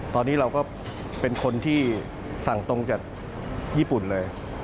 ตอนนี้เราก็เป็นคนที่สั่งตรงจากญี่ปุ่นเลย